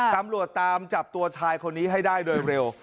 ตำรวจตามจับตัวชายคนนี้ให้ได้โดยเร็ว